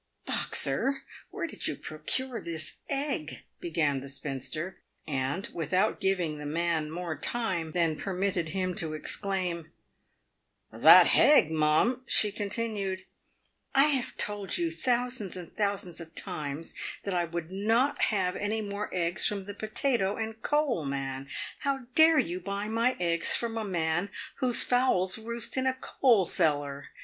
" Boxer, where did you procure this egg ?" began the spinster ; and, without giving the man more time than permitted him to exclaim, " That hegg, mum !" she continued, f I have told you thousands and thousands of times that I would not have any more eggs from the potato and coal man. How dare you buy my eggs from a man whose fowls roost in a coal cellar